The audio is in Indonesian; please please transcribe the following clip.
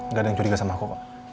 gak ada yang curiga sama aku kok